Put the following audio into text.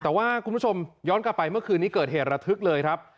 แต่ว่าคุณผู้ชมย้อนกลับไปเมื่อคืนนี้เกิดเหตุระทึกเลยครับ